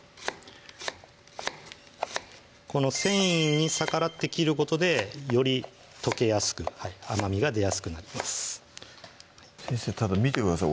この繊維に逆らって切ることでより溶けやすく甘みが出やすくなります先生見てください